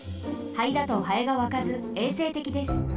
灰だとハエがわかずえいせいてきです。